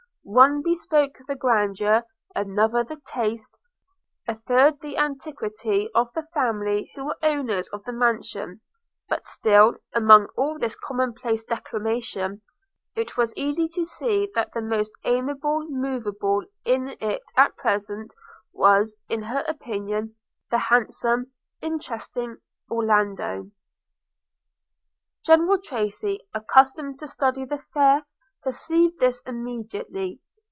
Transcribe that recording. One bespoke the grandeur, another the taste, a third the antiquity of the family who were owners of the mansion; but still, among all this common place declamation, it was easy to see that the most amiable moveable in it at present was, in her opinion, the handsome, interesting Orlando. General Tracy, accustomed to study the fair, perceived this immediately.